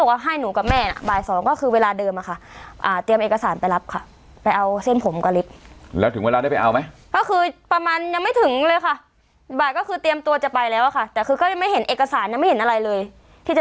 ค่ะแล้วก็คือเขาบอกว่าให้หนูกับแม่อ่ะ